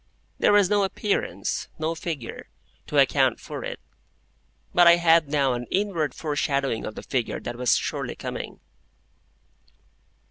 There was no appearance—no figure—to account for it; but I had now an inward foreshadowing of the figure that was surely coming.